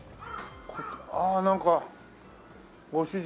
あっなんかご主人が。